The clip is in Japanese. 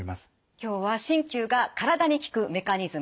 今日は鍼灸が体に効くメカニズム。